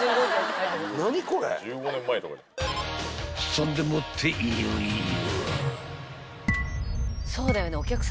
［そんでもっていよいよ］